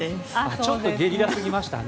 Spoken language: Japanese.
ちょっとゲリラすぎましたね。